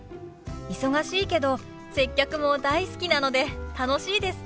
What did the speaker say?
忙しいけど接客も大好きなので楽しいです。